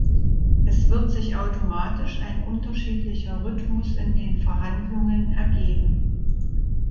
Es wird sich automatisch ein unterschiedlicher Rhythmus in den Verhandlungen ergeben.